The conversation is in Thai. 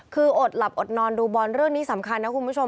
คืออดหลับอดนอนดูบอลเรื่องนี้สำคัญนะคุณผู้ชม